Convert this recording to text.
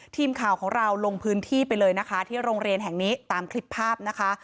ทีมข่าวของเราลงพื้นที่ไปเลยนะคะที่โรงเรียนแห่งนี้ตามคลิปภาพนะคะ